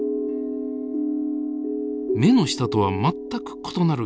目の下とは全く異なる光り方。